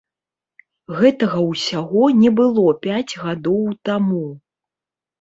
Гэтага ўсяго не было пяць гадоў таму.